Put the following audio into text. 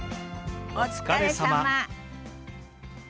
お疲れさま。